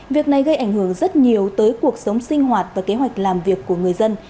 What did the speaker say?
việc này gây ảnh hưởng rất nhiều tới cuộc sống sinh hoạt và kế hoạch làm việc của người dân